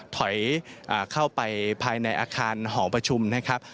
ถอยเข้าไปภายในอาคารหอประชุมนะครับ